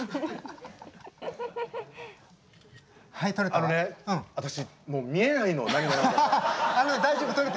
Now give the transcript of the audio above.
あのね私もう見えないの何が何だか。